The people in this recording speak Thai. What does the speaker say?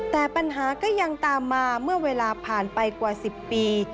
แต่ปัญหาก็ยังตามมาเมื่อเวลาผ่านไปกว่า๑๐ปี